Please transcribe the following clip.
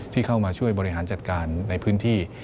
ที่เข้ามาช่วยบริหารจัดการในพื้นที่